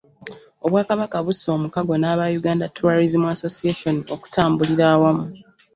Obwakabaka busse omukago n'aba Uganda Tourism Association okutambulira awamu.